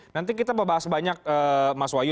nanti kita membahas banyak mas wahyu